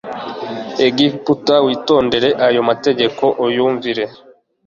egiputa witondere ayo mategeko uyumvire